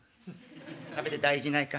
食べて大事ないか？